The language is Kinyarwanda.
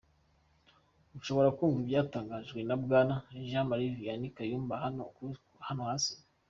Mushobora kumva ibyatangajwe na Bwana Jean Marie Vianney Kayumba hano hasi: